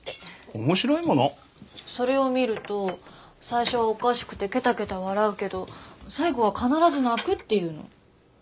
それを見ると最初はおかしくてケタケタ笑うけど最後は必ず泣くって言うの。